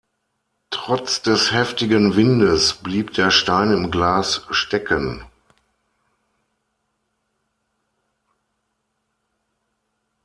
Trotz des heftigen Windes blieb der Stein im Glas stecken.